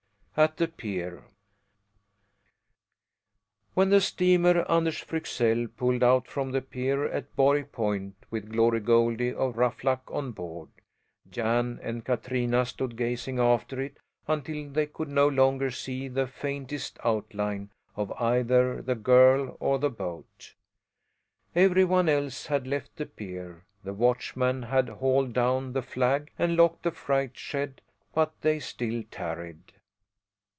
AT THE PIER When the steamer Anders Fryxell pulled out from the pier at Borg Point with Glory Goldie of Ruffluck on board, Jan and Katrina stood gazing after it until they could no longer see the faintest outline of either the girl or the boat. Every one else had left the pier, the watchman had hauled down the flag and locked the freight shed, but they still tarried.